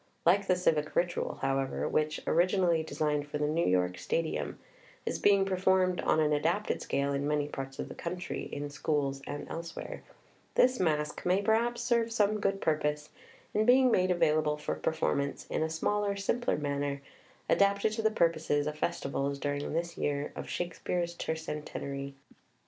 Like the Civic Ritual, however, which originally designed for the New York stadium is being performed on an adapted scale in many parts of the country, in schools and elsewhere, this Masque may perhaps serve some good purpose in being made available for performance in a smaller, simpler manner, adapted to the purposes of festivals during this year of Shakespeare's Tercentenary.